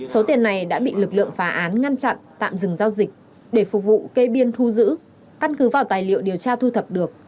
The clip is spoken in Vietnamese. số tiền này đã bị lực lượng phá án ngăn chặn tạm dừng giao dịch để phục vụ kê biên thu giữ căn cứ vào tài liệu điều tra thu thập được